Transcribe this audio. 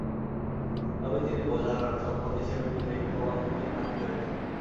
তবে তিনি বোঝা নন, সম্পদ হিসেবে নিজেকে প্রমাণ করতে প্রার্থী হয়েছেন।